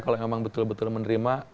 kalau memang betul betul menerima